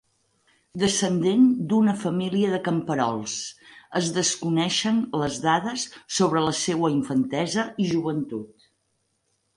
Descendent d'una família de camperols es desconeixen les dades sobre la seua infantesa i joventut.